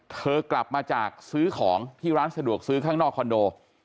กลับมาจากซื้อของที่ร้านสะดวกซื้อข้างนอกคอนโด